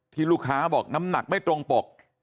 ลูกค้าบอกน้ำหนักไม่ตรงปก